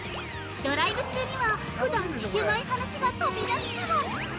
ドライブ中には、ふだん聞けない話が飛び出すかも。